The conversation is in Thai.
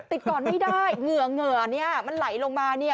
ติดก่อนไม่ได้เหงื่อเนี่ยมันไหลลงมาเนี่ย